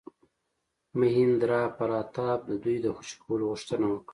مهیندراپراتاپ د دوی د خوشي کولو غوښتنه وکړه.